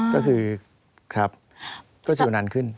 ก็คือครับก็ชิวนานขึ้น